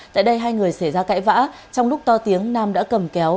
tại đây hai người xảy ra cãi vã trong lúc to tiếng nam đã cầm kéo